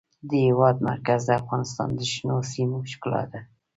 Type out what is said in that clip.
د هېواد مرکز د افغانستان د شنو سیمو ښکلا ده.